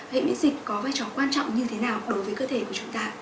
hệ miễn dịch có vai trò quan trọng như thế nào đối với cơ thể của chúng ta